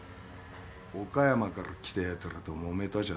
岡山から来たやつらともめたじゃと？